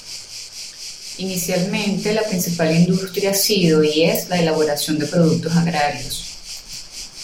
Inicialmente la principal industria ha sido y es la elaboración de productos agrarios.